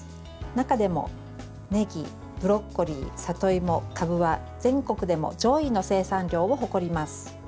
中でも、ねぎ、ブロッコリー里芋、かぶは全国でも上位の生産量を誇ります。